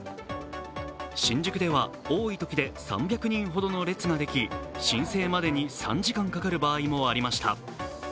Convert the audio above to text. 新宿では多いときで３００人ほどの列ができ、申請までに３時間かかる場合もありました。